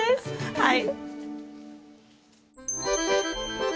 はい。